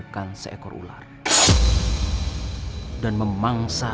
dan saya mendapat tahu bahwa